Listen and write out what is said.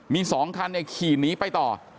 มี๒คันเนี่ยขี่หนีไปต่อ